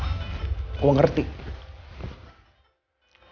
karena gue udah ngerasain semuanya